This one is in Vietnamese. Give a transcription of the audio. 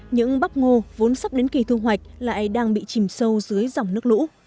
những bắp ngô vốn sắp đến kỳ thu hoạch lại đang bị chìm sâu dưới dòng nước lũ